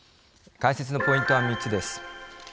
解説のポイントは３つです。